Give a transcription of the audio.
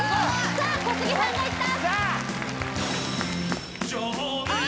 さあ小杉さんがいった